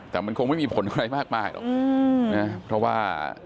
แต่มันคงไม่มีผลใครมากเพราะว่า